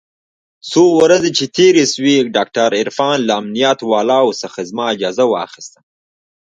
څو ورځې چې تېرې سوې ډاکتر عرفان له امنيت والاو څخه زما اجازه واخيسته.